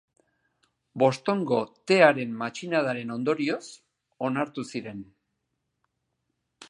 Bostongo Tearen Matxinadaren ondorioz onartu ziren.